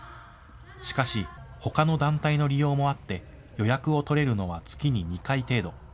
しかしほかの団体の利用もあって予約を取れるのは月に２回程度。